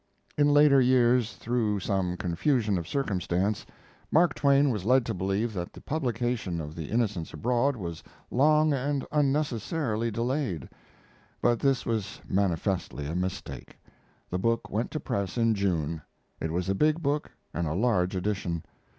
In later years, through some confusion of circumstance, Mark Twain was led to believe that the publication of The Innocents Abroad was long and unnecessarily delayed. But this was manifestly a mistake. The book went to press in June. It was a big book and a large edition.